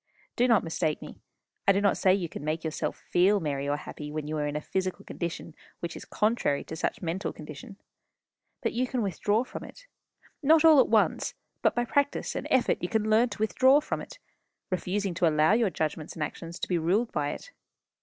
Do not mistake me. I do not say you can make yourself feel merry or happy when you are in a physical condition which is contrary to such mental condition. But you can withdraw from it not all at once; but by practice and effort you can learn to withdraw from it, refusing to allow your judgments and actions to be ruled by it.